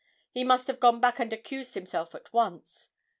He must have gone back and accused himself at once.